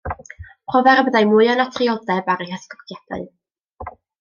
Profer y byddai mwy o naturioldeb ar eu hysgogiadau.